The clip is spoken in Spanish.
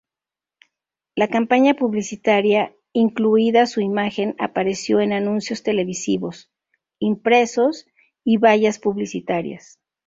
La campaña publicitaria, incluida su imagen, apareció en anuncios televisivos, impresos y vallas publicitarias.